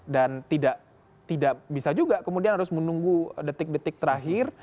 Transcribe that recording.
dan tidak bisa juga kemudian harus menunggu detik detik terakhir